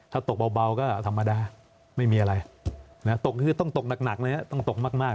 ถ้าตกเบาก็สังมดา